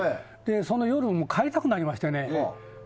その夜、帰りたくなりましてね。